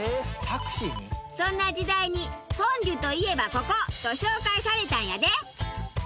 そんな時代に「フォンデュといえばココ」と紹介されたんやで。